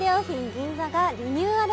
銀座がリニューアル